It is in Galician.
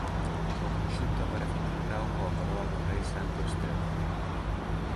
O conxunto aparece timbrado coa coroa do rei Santo Estevo.